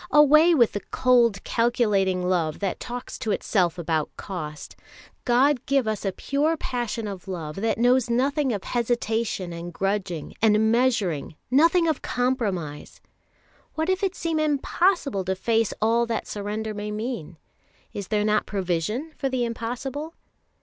Away with the cold, calculating love that talks to itself about cost! God give us a pure passion of love that knows nothing of hesitation and grudging, and measuring, nothing of compromise! What if it seem impossible to face all that surrender may mean? Is there not provision for the impossible?